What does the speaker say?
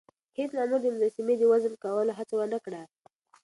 هیڅ مامور د مجسمې د وزن کولو هڅه ونه کړه.